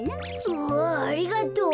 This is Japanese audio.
うわありがとう。